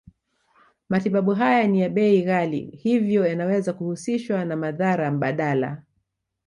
Matibabu haya ni ya bei ghali hivyo yanaweza kuhusishwa na madhara mbadala